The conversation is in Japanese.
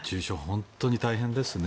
本当に大変ですね。